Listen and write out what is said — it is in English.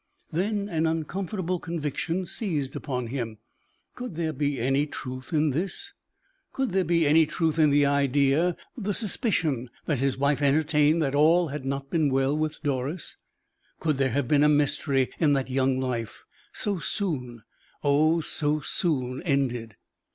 Then an uncomfortable conviction seized upon him. Could there be any truth in this? Could there be any truth in the idea the suspicion that his wife entertained that all had not been well with Doris? Could there have been a mystery in that young life, so soon, oh, so soon ended?